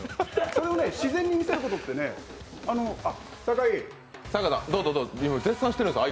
それを自然に見せることってねあ、酒井。